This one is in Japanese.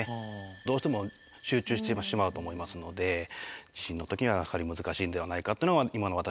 どうしても集中してしまうと思いますので地震の時は難しいんではないかってのが今の私の思いです。